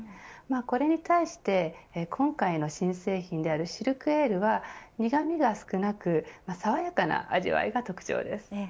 これに対して今回の新製品であるシルクエールは、苦みが少なく爽やかな味わいが特徴です。